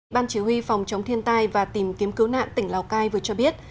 ban chỉ huy phòng chống thiên tai và tìm kiếm cứu nạn tỉnh lào cai vừa cho biết